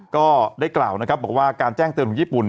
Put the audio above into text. ก็ได้กล่าวนะครับบอกว่าการแจ้งเตือนของญี่ปุ่น